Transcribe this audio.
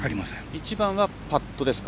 一番はパットですか